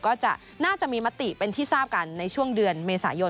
น่าจะน่าจะมีมติเป็นที่ทราบกันในช่วงเดือนเมษายน